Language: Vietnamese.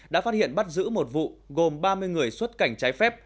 đã phát hiện bắt giữ một vụ gồm ba mươi người xuất cảnh trái phép